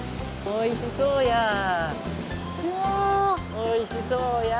おいしそうや。